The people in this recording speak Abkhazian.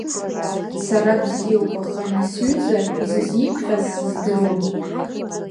Сара бзиоуп, аха ани сҩыза изызиԥхьаз сыздыруам.